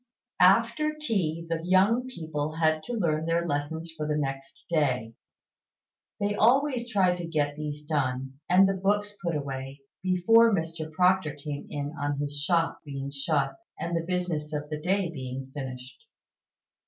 After tea the young people had to learn their lessons for the next day. They always tried to get these done, and the books put away, before Mr Proctor came in on his shop being shut, and the business of the day being finished.